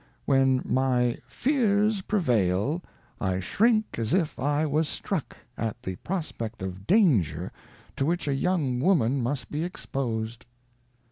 ' When my Fears prevail, I shrink as if I was struck, at the Prospect of Danger, to which a young Woman must be expos'd.'